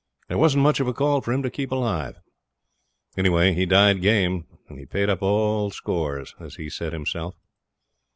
There wasn't much of a call for him to keep alive. Anyhow, he died game, and paid up all scores, as he said himself.